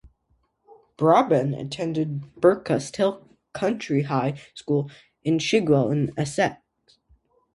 Braben attended Buckhurst Hill County High School in Chigwell in Essex.